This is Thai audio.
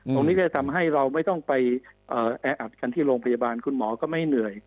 ตรงนี้จะทำให้เราไม่ต้องไปแออัดกันที่โรงพยาบาลคุณหมอก็ไม่เหนื่อย